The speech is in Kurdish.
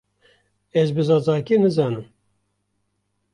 Ez bi zazakî nizanim.